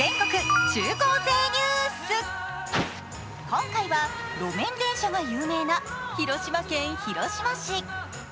今回は路面電車が有名な広島県広島市。